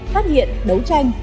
phát hiện đấu tranh